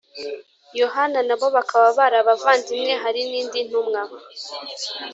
Yohana na bo bakaba bari abavandimwe Hari n indi ntumwa